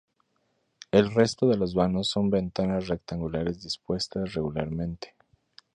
El resto de los vanos son ventanas rectangulares dispuestas regularmente.